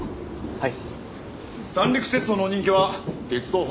はい。